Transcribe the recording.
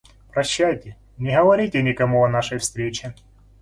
Прощайте, не говорите никому о нашей встрече.